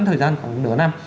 thời gian khoảng nửa năm